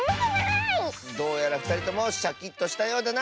どうやらふたりともシャキッとしたようだな！